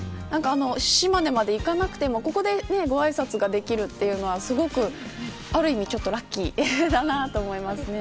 島根まで行かなくてもここで、ごあいさつができるっていうのはある意味、ちょっとラッキーだなと思いますね。